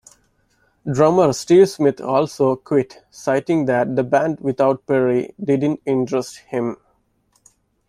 Drummer Steve Smith also quit citing that the band without Perry didn't interest him.